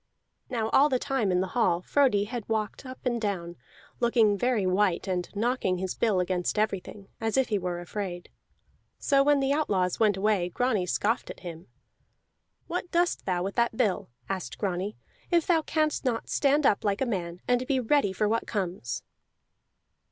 Now all the time in the hall Frodi had walked up and down, looking very white and knocking his bill against everything, as if he were afraid. So when the outlaws went away, Grani scoffed at him. "What dost thou with that bill," asked Grani, "if thou canst not stand up like a man, and be ready for what comes?"